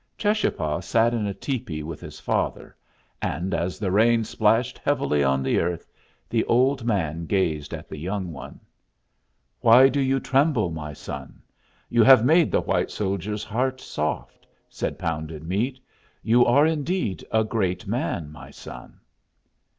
Cheschapah sat in a tepee with his father, and as the rain splashed heavily on the earth the old man gazed at the young one. "Why do you tremble, my son? You have made the white soldier's heart soft," said Pounded Meat. "You are indeed a great man, my son."